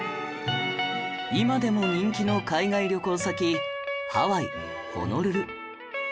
今でも人気の海外旅行先ハワイホノルル